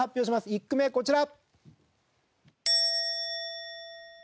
１句目こちら。